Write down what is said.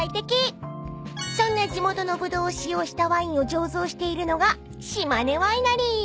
［そんな地元のブドウを使用したワインを醸造しているのが島根ワイナリー］